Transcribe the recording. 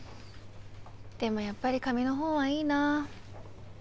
でもやっぱり紙の本はいいな。